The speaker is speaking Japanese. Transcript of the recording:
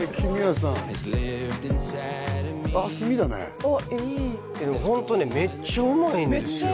さんあっ炭だねあっいいでもホントねめっちゃうまいんですよ